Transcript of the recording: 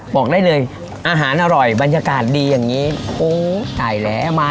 บอกได้เลยอาหารอร่อยบรรยากาศดีอย่างนี้โอ้ตายแล้วมา